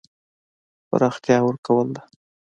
پراختیا ورکول ده.